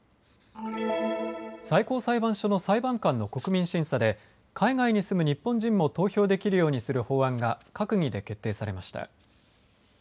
最高裁判所の裁判官の国民審査で海外に住む日本人も投票できるようにする法案が閣議で決定されました。